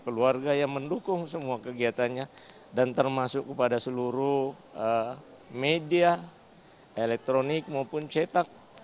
keluarga yang mendukung semua kegiatannya dan termasuk kepada seluruh media elektronik maupun cetak